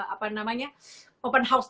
apa namanya open house